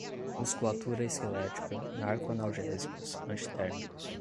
musculatura esquelética, narcoanalgésicos, antitérmicos